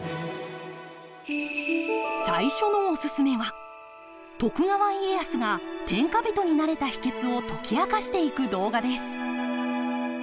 最初のおすすめは徳川家康が天下人になれた秘けつを解き明かしていく動画です。